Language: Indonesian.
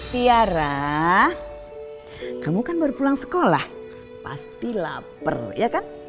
tiara kamu kan baru pulang sekolah pasti lapar ya kan